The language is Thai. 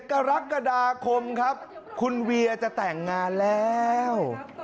กรกฎาคมครับคุณเวียจะแต่งงานแล้ว